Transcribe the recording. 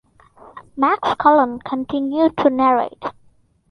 Max Cullen continued to narrate.